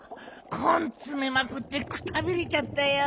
こんつめまくってくたびれちゃったよ。